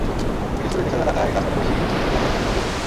বিশেষ করে যেসব এলাকায় গাছপালা বেশি সেসব এলাকায় ঠান্ডা অনুভূত হচ্ছে।